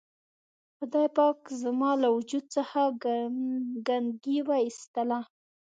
خدای پاک زما له وجود څخه ګندګي و اېستله.